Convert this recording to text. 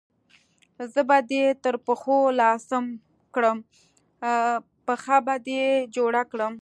زه به دې تر پخوا لا سم کړم، پښه به دې جوړه کړم.